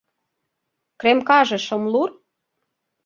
— Кремкаже шымлур?